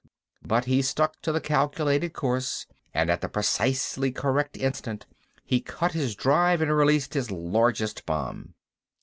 But he stuck to the calculated course, and at the precisely correct instant he cut his drive and released his largest bomb.